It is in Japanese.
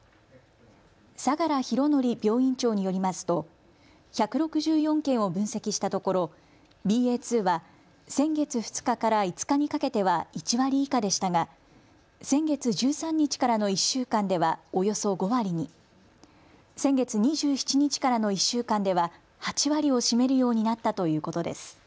相良博典病院長によりますと１６４件を分析したところ、ＢＡ．２は先月２日から５日にかけては１割以下でしたが先月１３日からの１週間ではおよそ５割に、先月２７日からの１週間では８割を占めるようになったということです。